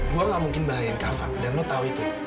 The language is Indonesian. gue gak mungkin bahayain kava dan lo tau itu